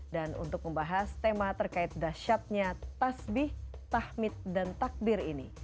dan untuk membahas tema terkait dasyatnya tasbih tahmid dan takbir ini